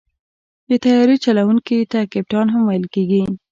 د طیارې چلوونکي ته کپتان هم ویل کېږي.